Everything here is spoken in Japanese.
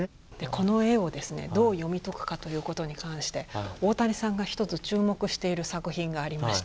この絵をですねどう読み解くかということに関して大谷さんが一つ注目している作品がありまして。